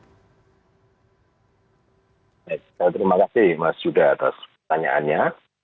terima kasih mas yuda atas pertanyaannya